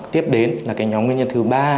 tiếp đến nhóm nguyên nhân thứ ba